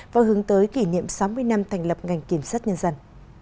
và hướng tới kỷ niệm sáu mươi năm thành lập ngành kiểm sát nhân dân